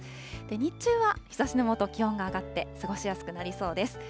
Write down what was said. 日中は日ざしの下、気温が上がって、過ごしやすくなりそうです。